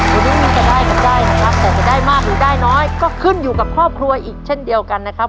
แกต้องมีแต่ได้กับได้ทรัพย์และฝ่งได้มากหรือได้น้อยที่ขึ้นอยู่กับครอบครัวอีกเช่นเดียวกันนะครับ